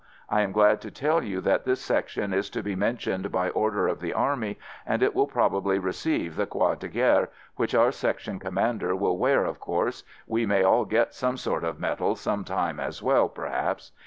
I am glad to tell you that this Section is to be mentioned by Order of the Army, and it will probably receive the Croix de Guerre, which our Section Commander will wear, of course — we may all get some sort of medal some time as well, perhaps.